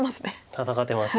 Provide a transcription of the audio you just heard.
戦ってます。